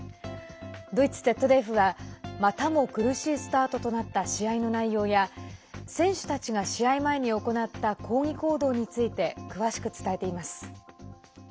ドイツＺＤＦはまたも苦しいスタートとなった試合の内容や選手たちが試合前に行った抗議行動について詳しく伝えています。